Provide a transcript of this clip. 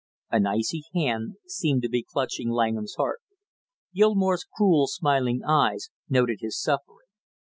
An icy hand seemed to be clutching Langham's heart. Gilmore's cruel smiling eyes noted his suffering.